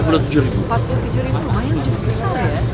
empat puluh tujuh ribu lumayan cukup besar ya